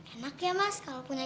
enak ya mas kalau punya